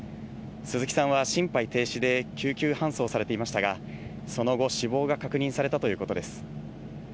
鈴木さんは心肺停止で救急搬送されていましたが、その後、死亡が確認されたということです。